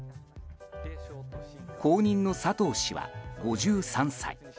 後任の佐藤氏は５３歳。